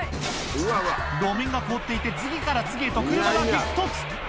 路面が凍っていて、次から次へと車が激突。